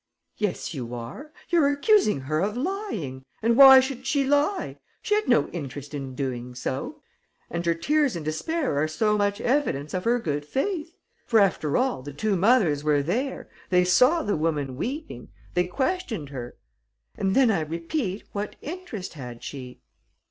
"Yes, you are: you're accusing her of lying. And why should she lie? She had no interest in doing so; and her tears and despair are so much evidence of her good faith. For, after all, the two mothers were there ... they saw the woman weeping ... they questioned her.... And then, I repeat, what interest had she